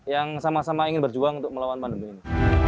yang sama sama ingin berjuang untuk melawan pandemi ini